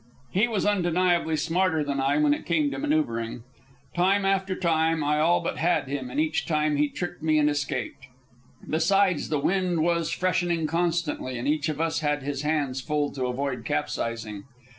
He was undeniably smarter than I when it came to manoeuvring. Time after time I all but had him, and each time he tricked me and escaped. Besides, the wind was freshening constantly, and each of us had his hands full to avoid capsizing.